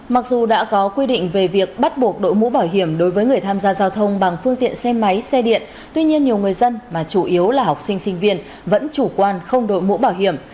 mặc dù đã có quy định về việc bắt buộc đội mũ bảo hiểm đối với người tham gia giao thông bằng phương tiện xe máy xe điện tuy nhiên nhiều người dân mà chủ yếu là học sinh sinh viên vẫn chủ quan không đội mũ bảo hiểm